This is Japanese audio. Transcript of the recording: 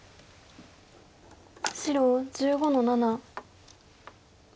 白１５の七。